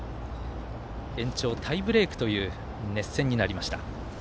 延長タイブレークという熱戦になりました。